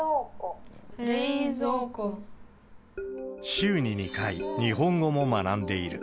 週に２回、日本語も学んでいる。